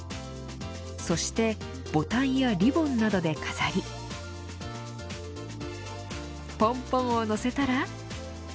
そしてボタンやリボンなどで飾りポンポンをのせたら。